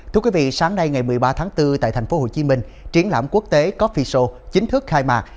thưa quý vị sáng nay ngày một mươi ba tháng bốn tại thành phố hồ chí minh triển lãm quốc tế coffee show chính thức khai mạc